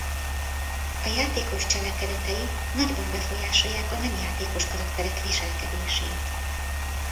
A játékos cselekedetei nagyban befolyásolják a nem játékos karakterek viselkedését.